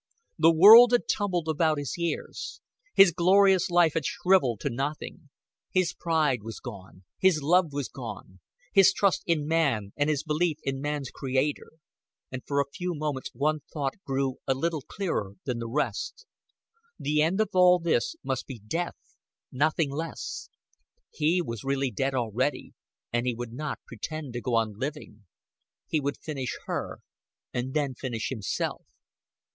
The world had tumbled about his ears; his glorious life had shriveled to nothing; his pride was gone, his love was gone, his trust in man and his belief in man's creator; and for a few moments one thought grew a little clearer than the rest. The end of all this must be death nothing less. He was really dead already, and he would not pretend to go on living. He would finish her, and then finish himself.